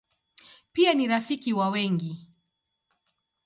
Pia ni rafiki wa wengi.